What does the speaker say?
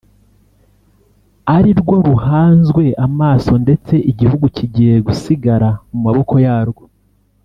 ari rwo ruhanzwe amaso ndetse igihugu kigiye gusigara mu maboko yarwo